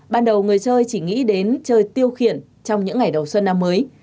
ban đầu người chơi chỉ nghĩ đến chơi tiêu khiển trong những ngày đầu xuân năm mới